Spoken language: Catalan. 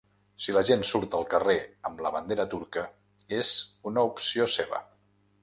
Si la gent surt al carrer amb la bandera turca, és una opció seva.